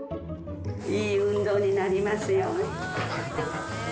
いい運動になりますよ。